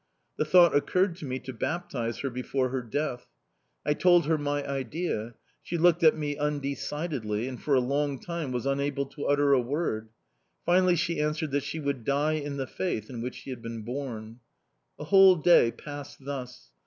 The thought occurred to me to baptize her before her death. I told her my idea; she looked at me undecidedly, and for a long time was unable to utter a word. Finally she answered that she would die in the faith in which she had been born. A whole day passed thus.